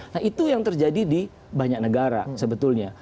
nah itu yang terjadi di banyak negara sebetulnya